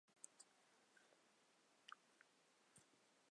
一位名为帽子宝宝的小女孩尝试通过宇宙飞船回到她的家乡。